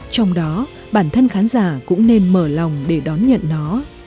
trong đó bản thân khán giả cũng nên mở lòng để đón nhận nó